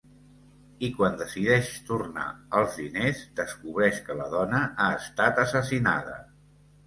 I quan decideix tornar els diners, descobreix que la dona ha estat assassinada.